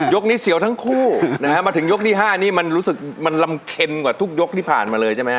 นี้เสียวทั้งคู่นะฮะมาถึงยกที่๕นี่มันรู้สึกมันลำเค็มกว่าทุกยกที่ผ่านมาเลยใช่ไหมฮ